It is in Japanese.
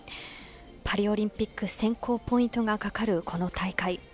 パリオリンピック選考ポイントが懸かるこの大会。